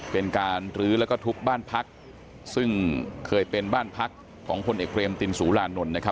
เป็นการลื้อแล้วก็ทุบบ้านพักซึ่งเคยเป็นบ้านพักของพลเอกเรมตินสุรานนท์นะครับ